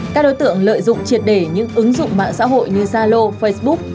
các đối tượng lợi dụng triệt để những ứng dụng mạng xã hội như zalo facebook